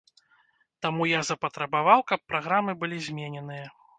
Таму я запатрабаваў, каб праграмы былі змененыя.